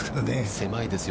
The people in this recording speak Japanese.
狭いですよ。